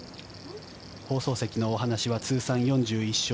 放送席の話は通算４１勝